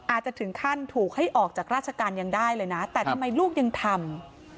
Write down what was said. อาจจะถึงขั้นถูกให้ออกจากราชการยังได้เลยนะแต่ทำไมลูกยังทำ